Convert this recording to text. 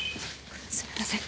すみません。